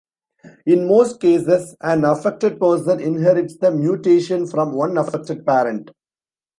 In most cases, an affected person inherits the mutation from one affected parent.